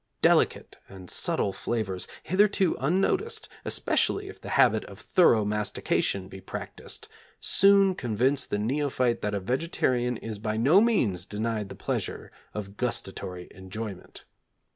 Delicate and subtle flavours, hitherto unnoticed, especially if the habit of thorough mastication be practised, soon convince the neophyte that a vegetarian is by no means denied the pleasure of gustatory enjoyment.